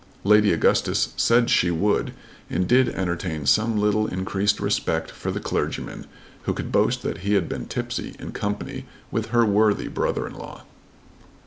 Lady Augustus said she would, and did entertain some little increased respect for the clergyman who could boast that he had been tipsy in company with her worthy brother in law.